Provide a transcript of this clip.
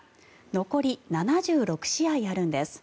残り７６試合あるんです。